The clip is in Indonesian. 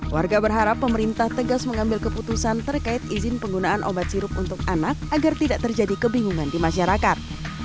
warga berharap pemerintah tegas mengambil keputusan terkait izin penggunaan obat sirup untuk anak agar tidak terjadi kebingungan di masyarakat